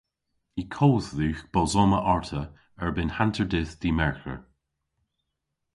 Y kodh dhywgh bos omma arta erbynn hanterdydh dy' Mergher.